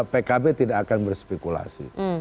pkb tidak akan berspekulasi